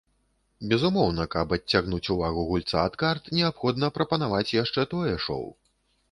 Безумоўна, каб адцягнуць увагу гульца ад карт, неабходна прапанаваць яшчэ тое шоў.